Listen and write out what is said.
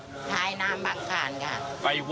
ทายนามบังคารค่ะไปไหว้